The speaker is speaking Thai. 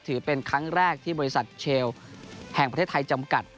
ถือเป็นครั้งแรกที่บริษัทเชลแห่งประเทศไทยจำกัด